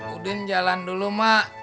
udin jalan dulu mak